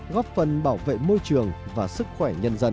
góp phần bảo vệ môi trường và sức khỏe nhân dân